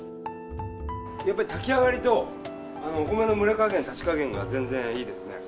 やっぱり炊き上がりと、お米の蒸れかげん、立ちかげんが全然いいですね。